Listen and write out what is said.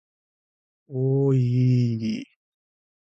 おおおいいいいいい